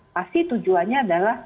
pasti tujuannya adalah